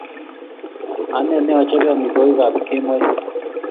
Ane ne achope amitwogikap kemoi